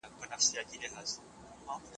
تخنیکي پرمختګ به د کارګرانو ژوند اسانه کړي.